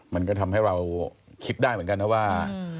มันก็ทำให้เราคิดได้เหมือนกันนะว่า